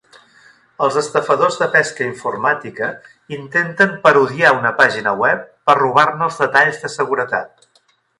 Els estafadors de pesca informàtica intenten parodiar una pàgina web per robar-ne els detalls de seguretat.